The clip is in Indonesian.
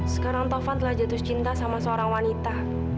sekarang taufan telah jatuh cinta sama seorang wanita